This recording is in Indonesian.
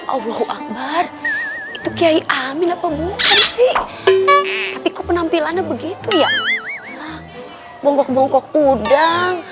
allahu akbar itu kiai amin apa bukan sih tapi kok penampilannya begitu ya bonggok bongkok udang